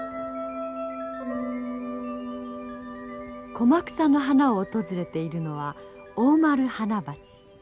コマクサの花を訪れているのはオオマルハナバチ。